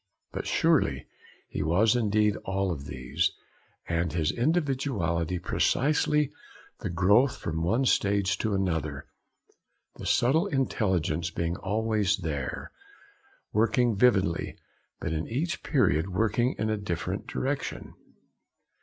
But, surely, he was indeed all of these, and his individuality precisely the growth from one stage to another, the subtle intelligence being always there, working vividly, but in each period working in a different direction.